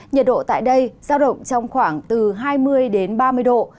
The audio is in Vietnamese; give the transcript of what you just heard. nhiệt độ tại đây giao động trong khoảng từ hai mươi đến ba mươi độ